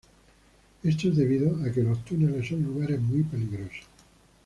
Esto es debido a que los túneles son lugares muy peligrosos.